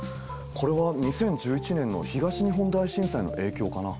これは２０１１年の東日本大震災の影響かな？